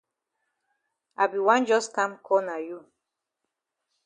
I be wan jus kam call na you.